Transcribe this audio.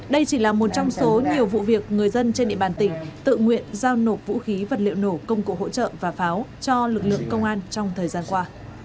đây chỉ là một trong số nhiều vụ việc người dân trên địa bàn tỉnh tự nguyện giao nộp vũ khí vật liệu nổ công cụ hỗ trợ và pháo cho lực lượng công an trong thời gian qua